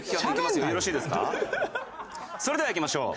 それではいきましょう。